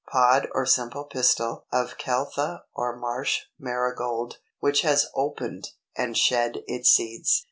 Pod or simple pistil of Caltha or Marsh Marigold, which has opened, and shed its seeds.